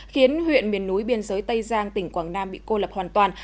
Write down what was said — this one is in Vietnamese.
khiến huyện miền núi biên giới tây giang tỉnh quảng nam bị cô lập hoàn toàn